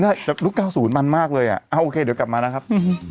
ยุค๙๐มันมากเลยอ่ะโอเคเดี๋ยวกลับมานะครับ